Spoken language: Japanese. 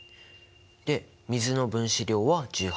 で水の分子量は１８。